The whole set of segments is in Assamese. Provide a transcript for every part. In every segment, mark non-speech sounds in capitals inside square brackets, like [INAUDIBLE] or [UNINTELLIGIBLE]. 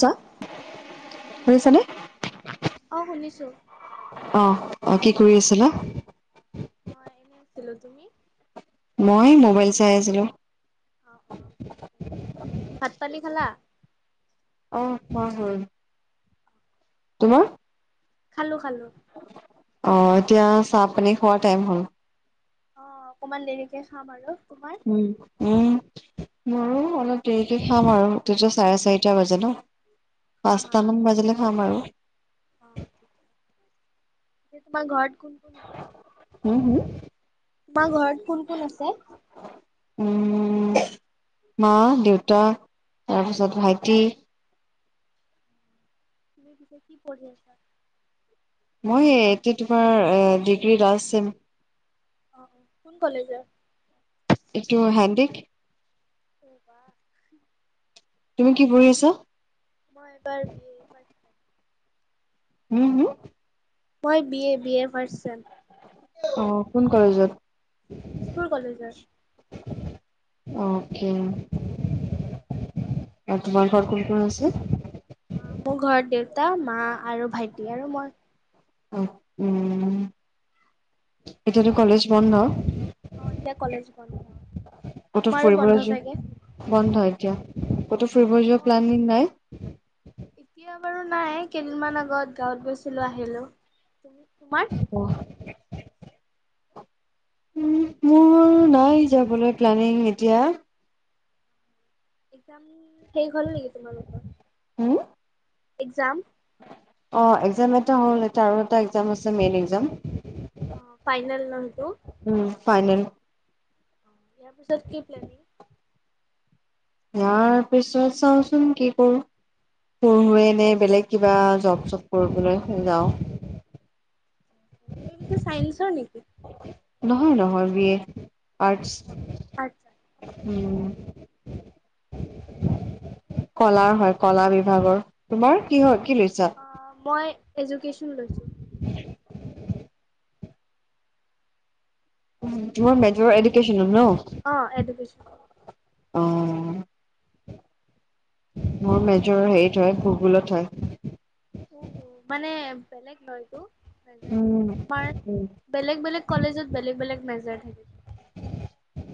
ছা শুনিছ নে? অ' শুনিছো। অ', অ' কি কৰি আছিলা? মহ এনেই আছিলো। তুমি? মই মোবাইল চাই আছিলো। ভাত পানী খালা? অ' খোৱা হ'ল। তোমাৰ? খালো খালো। অ' এতিয়া চাহ পানী খোৱাৰ টাইম হ'ল! অ' অকমান দেৰিকে খাম আৰু। তোমাৰ উম উম। মইয়ো অলপ দেৰিকে খাম আৰু, তেতিয়া চাৰে চাৰিটা বাজে ন? হা হা পাঁচটামান বাজিলে খাম আৰু। তোমাৰ ঘৰত কোন কোন আছে, হুম, হুম। তোমাৰ ঘৰত কোন কোন আছে? উম মা দেউতা তাৰপিছত ভাইটি তুমি পিছে কি পঢ়ি আছা? মই এ একেটিপৰ তোমাৰ ডিগ্ৰী লাষ্ট চেম। আহ কোন কলেজৰ? এইটো হেণ্ডিক। অব তুমি কি পঢ়ি আছা? মই পাৰ বি এই পা উম হুম মই বিএ বিএ বিএৰ ৰ্ফাষ্ট চেম। অ' কোন কলেজত? দিছপুৰ কলেজৰ। অ'কে অ'। আৰু তোমাৰ ঘৰ কোন কোন আছে মোৰ ঘৰত দেউতা মা আৰু ভাইটি আৰু মই। অ' এতিয়াতো কলেজ বন্ধ? অ' এতিয়া কলেজ বন্ধ ক'তো তোমাৰো ফুৰিবলৈ বন্ধ যোৱা চাগে? বন্ধ এতিয়া ক'তো অ ফৰিব যোৱা মই প্লানিং নাই? এতিয়া বাৰু নাই কেইদিনমান আগত গাঁৱত গৈছিলো আহিলো। তোমাৰ? উ মোৰ নাই যাবলৈ প্লানিং এতিয়া এক্সাম, শেষ হ'ল নেকি তোমালোকৰ হম এক্সাম? অ' এক্সাম এটা হ'ল, এটা আৰু এক্সাম আছে মেইন এক্সাম। অ' ফাইনেল ন এইটো? উম ফাইনেল। অ', পিছত কিই প্লেনিং ইয়াৰ পিছত চাওচোন কি কৰো। তোৰে এনে বেলেগ কিবা জব চব কৰিবলৈ যাওঁ। তুমি পিছ চাইন্সৰ নেকি। নহয় নহয় বি এ আৰ্টছ। আচ্ছা। উম'। কলাৰ হয় কলা বিভাগৰ তোমাৰ কি হয় কি লৈছা। এদুকেশ্যন লৈছোঁ। ম মেজৰ এডুকেন অ', এডুকেশ্যন। অ',। মোৰ মেজৰৰ হেৰিত হয় ভূগোলত হয়। উ, উ, মানে বেলেগ নহয়তো। উম। আমাৰ উম, বেলেগ বেলেগ কলেজত বেলেগ বেলেগ নজৰ থাকিব।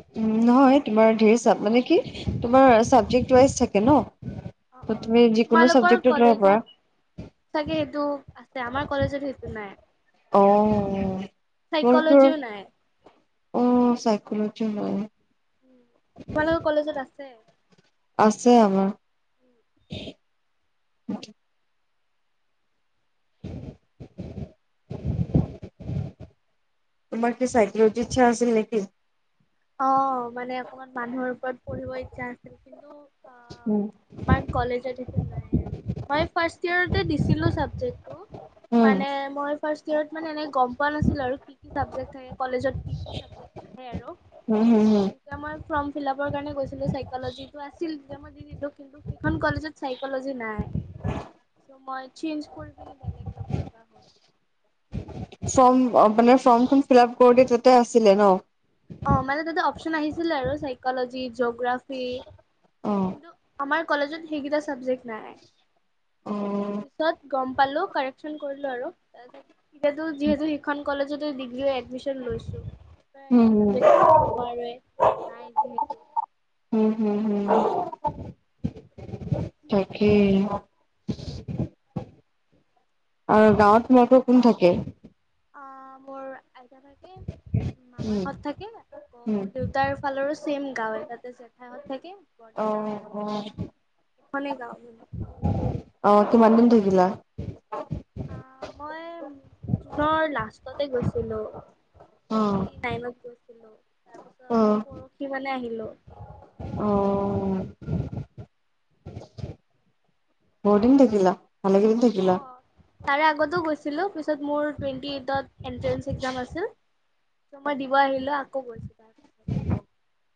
উ, নহয় তোমাৰ ধৰ চ মানে কি তোমাৰ চাবজেক্ট ৱাইজ থাকে ন। অ', ত' অ', তুমি যিকোনো তোমালোকৰ চাবজেক্টত ল'ব পাৰা। কলেজত চাগে সেইটো আছে, আমাৰ কলেজত সেইটো নাই। অ', চাইকলজিও নাই। অ', চাই [UNINTELLIGIBLE] উ তোমালোকৰ কলেজত আছে। আছে আমাৰ। [INAUDIBLE] তোমাৰ কি চাইকলজি ইচ্ছা আছিল নেকি। অ', মানে অকমান মানুহৰ ওপৰত পঢ়িব ইচ্ছা আছিল কিন্তু অ', উম। আমাৰ কলেজতটো নাই আৰু মই ফাৰ্ষ ই দিছিলো উম, মানে মই ফ্ষৰত মানে না আৰু কি কিাবক কলেজত কি কি উম হুম হুম। তেতিয়া মই ফৰ্ম ফিল আপৰ কাৰণে গৈছিলো চাইকজিটো আছিল তেতিয়া মই দি দিলো কিন্তু সেইখন কলেজত চাইকজি নাই। হয়। মই চিঞজ ফুল পি বেলেগ ল'ব লগা হ'ল। ফৰ্ম মানে ফৰ্মখন ফিল আপ কৰি দি তাতে আছিলে ন। অ', মানে তাতে অপচন আহিছিলে আৰু চাইকজি জি'গ্ৰাফ অ', কিন্তু আমাৰ কলেজত সেইকেইটা চাবজেক্ট নাই। অ', পিছত গম পালো কাৰেকচন কৰিলো আৰু তাৰপিছত ইয়ো যিহেতু সিখন কলেজতে ডিগ্ৰী এডমিশন লৈছো। হুম, হুম, লব নোৱাৰোৱে নাই যিহেতু উ তাকেই। আৰু গাঁৱত তোমালোকৰ কোন থাকে। অ', মোৰ এজনালকে মাম উম, হত থাকে আকৌ উম। মোৰ দেউতাৰ ফালৰো চছেম গাওৱে তাতে জেঠাইহঁত থাকে। বৰ্তাহঁত থাকে অ',। [UNINTELLIGIBLE] আহ কিমান দিন থাকিলা। অ', মই জুনৰ লাষ্টতে গৈছিলো। অহ, টেণ্টি নাইনত ছিলো তাৰ পিছত অহ। পৰহি মানে আহিলো। বৰ্ডি দেখিলা মালগিৰি দেখিল। অ' তাৰে [UNINTELLIGIBLE] [UNINTELLIGIBLE] দিব আহিল আকৌ কৈছো তাৰপিছত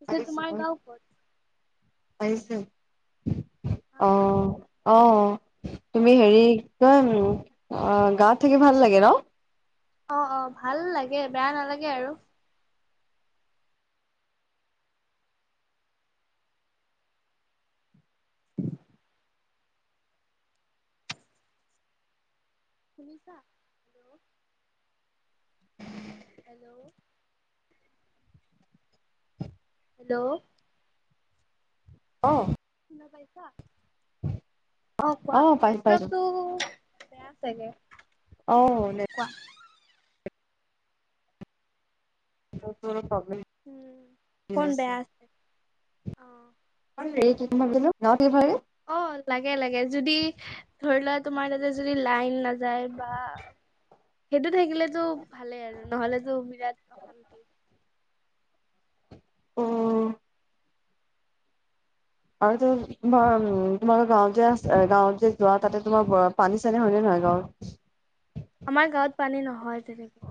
পিছে তোমাৰ গাঁও ক'ত? পাৰিছে। হা হা অহ অ, অ তুমি হেৰি, কি কয় উম অ' গাঁওত থাকি ভাল লাগে ন? অ, অ ভাল লাগে, বেয়া নালাগে আৰু। শুনিছা হেল্ল'! হেল্ল'! [INAUDIBLE] হেল্ল'! অ শুনা পাইছা? অ' কোৱা। পাইছোঁ, পাইছোঁ। নেটৱৰ্কটো বেয়া ছাগে। অহ, অ', অ' কোৱা নেটৱৰ্কৰ প্ৰব উম অকন বেয়া। অ হেৰি কি [UNINTELLIGIBLE] অ' লাগে, লাগে। যদি ধৰি লোৱা, তোমাৰ তাতে যদি লাইন নাযায় বা সেইটো থাকিলেটো ভালেই আৰু নহ'লেতো বিৰাট অশান্তি। আৰু তো তোমাৰ তোমালোকৰ গাঁৱত যে, আ গাঁৱত যে, যোৱা তাতে তোমাৰ পানী-চানী হয় নে নহয়? [UNINTELLIGIBLE] আমাৰ গাঁৱত পানী নহয় তেনেকে।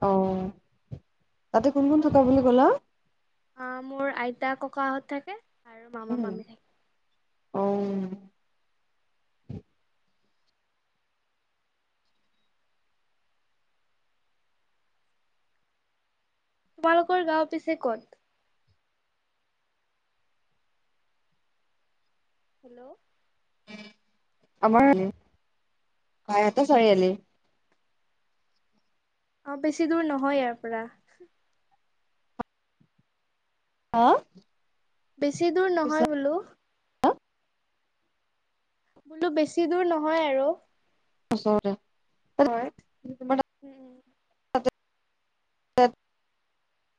অ' বেলেগ। আহ মোৰ আইতা ককাহঁত থাকে। আৰু মামা উম মামী থাকে অ উম তোমালোকৰ গাওঁ পিছে ক'ত? হেল্ল'! আমাৰ অ বাইহাটা চাৰিআলি। অ' বেছি দূৰ নহয় ইয়াৰ পৰা। হা? বেছি দূৰ নহয় বোলো। বোলো বেছি দূৰ নহয় আৰু। ওচৰতে। [UNINTELLIGIBLE] উম তাতে [UNINTELLIGIBLE]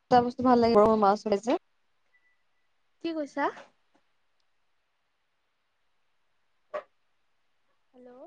দুটা বস্তু ভাল লাগে গৰৈ মাছ [UNINTELLIGIBLE] কি কৈছা? হেল্ল'!